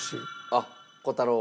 あっ虎太郎？